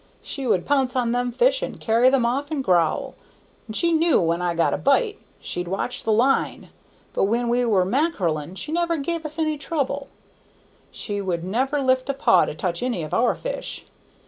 She would pounce on them fish and carry them off and growl, and she knew when I got a bite, she'd watch the line; but when we were mackereling she never give us any trouble. She would never lift a paw to touch any of our fish.